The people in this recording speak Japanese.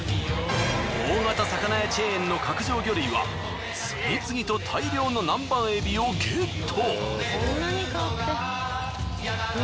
大型魚屋チェーンの角上魚類は次々と大量の南蛮エビをゲット。